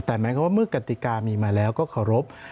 แต่หมายความว่าเมื่อกติกามีมาแล้วก็เคารพ